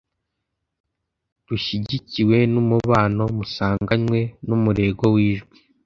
rushyigikiwe n'umubano musanganywe, n'umurego w'ijwi